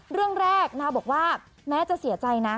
เรื่องแรกนาวบอกว่าแม้จะเสียใจนะ